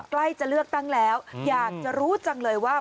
ใกล้จะเลือกตั้งแล้วอยากจะรู้จังเลยว่า